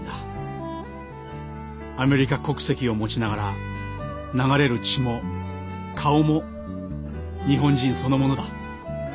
アメリカ国籍を持ちながら流れる血も顔も日本人そのものだ。